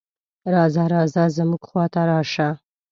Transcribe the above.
"راځه راځه زموږ خواته راشه".